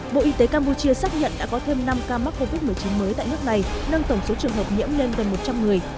bộ y tế campuchia xác nhận đã có thêm năm ca mắc covid một mươi chín mới tại nước này nâng tổng số trường hợp nhiễm lên gần một trăm linh người